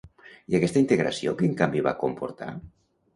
I aquesta integració quin canvi va comportar?